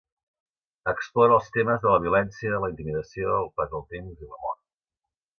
Explora els temes de la violència, la intimidació, el pas del temps i la mort.